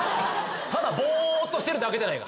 ただボーッとしてるだけじゃねえか。